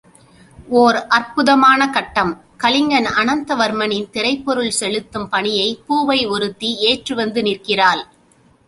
ஓர் அற்புதமான கட்டம் கலிங்கன் அனந்தவர்மனின் திறைப்பொருள் செலுத்தும் பணியை பூவை ஒருத்தி ஏற்று வந்து நிற்கிறாள்.